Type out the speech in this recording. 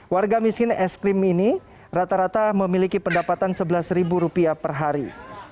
warga miskin es krim ini rata rata memiliki pendapatan rp sebelas per hari